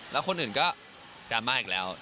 แล้วคนอื่นก็ดราม่าอีกแล้ว